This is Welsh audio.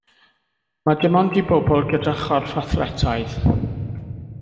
Mae dim ond i bobl gyda chorff athletaidd.